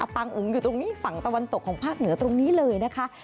ปางอุ๋งอยู่ตรงนี้ฝั่งตะวันตกของภาคเหนือตรงนี้เลยนะคะ